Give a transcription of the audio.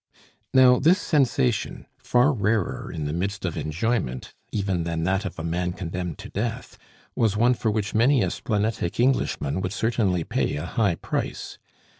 Now this sensation, far rarer in the midst of enjoyment even than that of a man condemned to death, was one for which many a splenetic Englishman would certainly pay a high price.